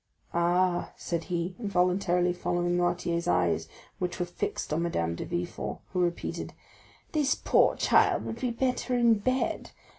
"Ah," said he, involuntarily following Noirtier's eyes, which were fixed on Madame de Villefort, who repeated: "This poor child would be better in bed.